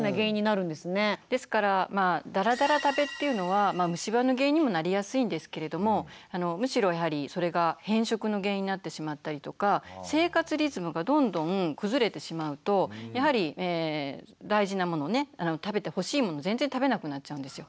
ですからだらだら食べっていうのは虫歯の原因にもなりやすいんですけれどもむしろやはりそれが偏食の原因になってしまったりとか生活リズムがどんどん崩れてしまうとやはり大事なものね食べてほしいものを全然食べなくなっちゃうんですよ。